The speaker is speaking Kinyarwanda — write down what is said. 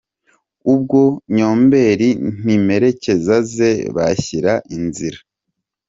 Ubwo Nyombeli n’imperekeza ze bashyira nzira.